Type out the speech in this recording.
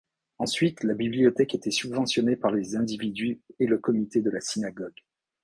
Ensuite, la bibliothèque était subventionnée par les individus et le comité de la synagogue.